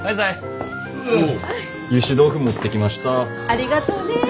ありがとうねえ。